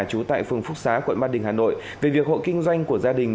trú tại phường phúc xá quận ba đình hà nội về việc hộ kinh doanh của gia đình